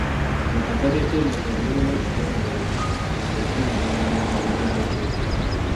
Mu katale k'emigabo mulimu ekitongole nga tekinnalanga migabo gyakyo.